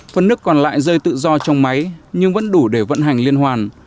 phần nước còn lại rơi tự do trong máy nhưng vẫn đủ để vận hành liên hoàn